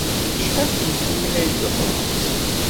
Acḥal n tenfulin ay d-tḍebbremt?